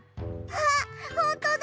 あっほんとだ！